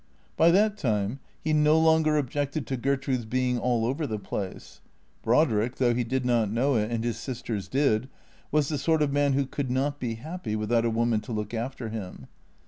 By that time he no longer objected to Gertrude's being all over the place. Brodrick, though he did not know it and his sisters did, was the sort of man who could not be happy without a woman to look after him.